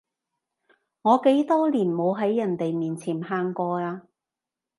我幾多年冇喺人哋面前喊過啊